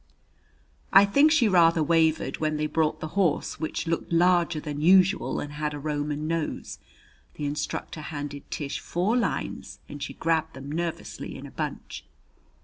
I think she rather wavered when they brought the horse, which looked larger than usual and had a Roman nose. The instructor handed Tish four lines and she grabbed them nervously in a bunch.